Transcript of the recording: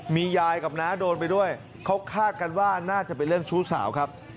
มียายกับน้าโดนไปด้วยเขาคาดกันว่าน่าจะเป็นเรื่องชู้สาวครับ